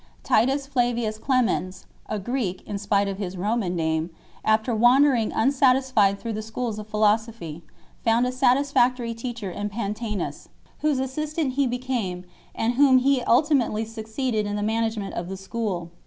Titus Flavius Clemens 3 a Greek, in spite of his Roman name after wandering unsatisfied through the schools of philosophy, found a satisfactory teacher in Pantsenus, whose assistant he became, and whom he ulti mately succeeded in the management of the School.